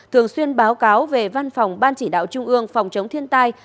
thường xuyên báo cáo về văn phòng ban chỉ đạo trung ương phòng chống thiên tai